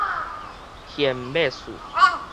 弦倍司